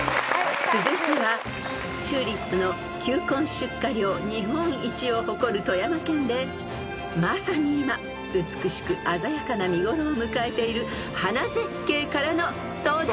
［続いてはチューリップの球根出荷量日本一を誇る富山県でまさに今美しく鮮やかな見頃を迎えている花絶景からの東大ナゾトレ］